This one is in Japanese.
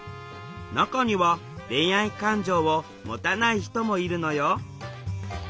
中には恋愛感情を持たない人もいるのよ